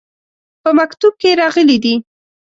په مکتوب کې راغلي دي.